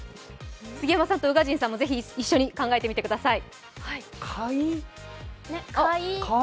杉山さんと宇賀神さんも、ぜひ一緒に考えてみてください。